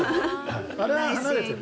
あれは離れてる。